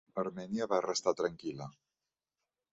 Armènia va restar tranquil·la.